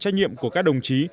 nghiệm của các đồng chí